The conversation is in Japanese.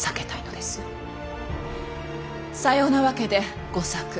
さようなわけで吾作。